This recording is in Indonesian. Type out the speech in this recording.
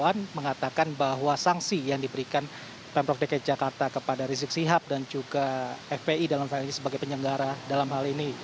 iwan mengatakan bahwa sanksi yang diberikan pemprov dki jakarta kepada rizik sihab dan juga fpi dalam hal ini sebagai penyelenggara dalam hal ini